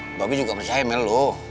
mba be juga percaya mel lo